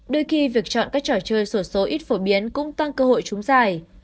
đôi khi việc chọn các trò chơi sổ số ít phổ biến cũng tăng cơ hội trúng dài